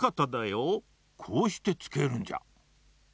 こうしてつけるんじゃ。